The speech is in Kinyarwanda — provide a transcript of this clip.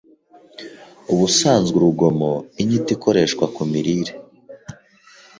Ubusanzwe 'urugomo'; inyito ikoreshwa kumirire